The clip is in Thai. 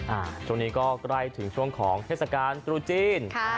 ช่วงนี้ก็ใกล้ถึงช่วงของเทศกาลตรุจีน